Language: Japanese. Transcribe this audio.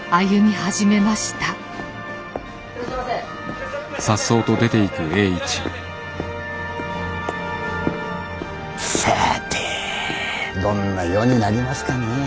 さぁてどんな世になりますかねぇ。